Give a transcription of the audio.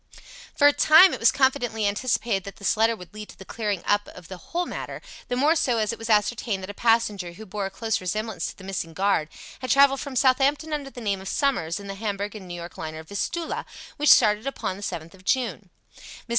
For a time it was confidently anticipated that this letter would lead to the clearing up of the whole matter, the more so as it was ascertained that a passenger who bore a close resemblance to the missing guard had travelled from Southampton under the name of Summers in the Hamburg and New York liner Vistula, which started upon the 7th of June. Mrs.